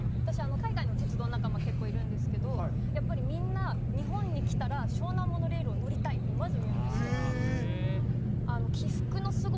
私海外の鉄道仲間結構いるんですけどやっぱりみんな日本に来たら「湘南モノレールを乗りたい」ってまず言うんですよ。